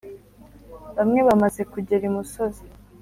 Bamwe bamaze kugera imusozi